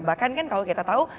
bahkan kan kalau kita tahu